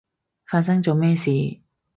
發生咗咩事？